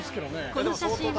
この写真は。